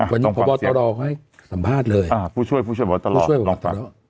วันนี้ผู้ช่วยบอกตลอดให้สัมภาษณ์เลยอ่าผู้ช่วยผู้ช่วยบอกตลอดผู้ช่วยบอกตลอด